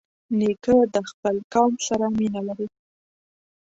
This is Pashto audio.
نیکه د خپل قوم سره مینه لري.